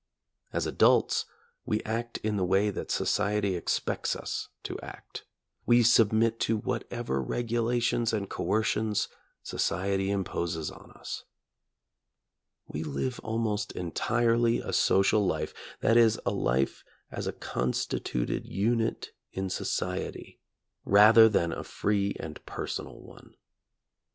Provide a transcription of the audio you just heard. As adults, we act in the way that society expects us to act; we submit to whatever regulations and coercions society imposes on us. We live almost entirely a social life, that is, a life as a constituted unit in society, rather than a free and personal one.